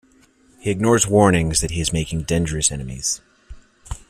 He ignores warnings that he is making dangerous enemies.